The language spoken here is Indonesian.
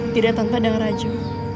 tidak tanpa dan rajo